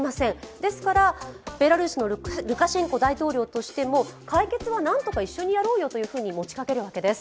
ですから、ベラルーシのルカシェンコ大統領としても解決は一緒にやろうと持ちかけているんです。